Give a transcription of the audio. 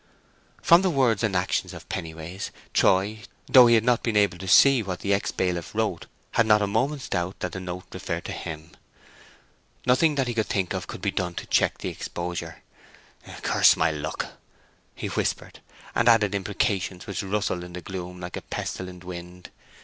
From the words and action of Pennyways, Troy, though he had not been able to see what the ex bailiff wrote, had not a moment's doubt that the note referred to him. Nothing that he could think of could be done to check the exposure. "Curse my luck!" he whispered, and added imprecations which rustled in the gloom like a pestilent wind.